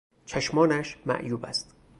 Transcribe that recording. چشمانش معیوب است.